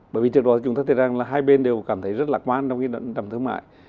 bởi vì trước đó chúng ta thấy rằng là hai bên đều cảm thấy rất lạc quan trong cái đần trọng thương mại